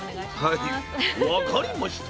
はい分かりました。